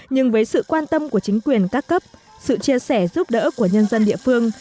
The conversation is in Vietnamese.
nhưng với sự quan tâm của chính quyền các cấp sự chia sẻ giúp đỡ của nhân dân địa phương